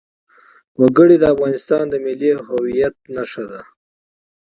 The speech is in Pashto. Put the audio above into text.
وګړي د افغانستان د ملي هویت نښه ده.